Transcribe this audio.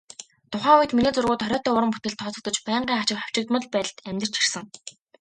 Тухайн үед миний зургууд хориотой уран бүтээлд тооцогдож, байнгын хавчигдмал байдалд амьдарч ирсэн.